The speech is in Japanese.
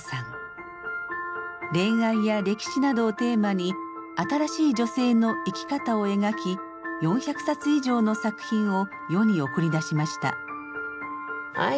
恋愛や歴史などをテーマに新しい女性の生き方を描き４００冊以上の作品を世に送り出しました。